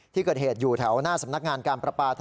ที่เกิดเหตุอยู่แถวหน้าสำนักงานการประปา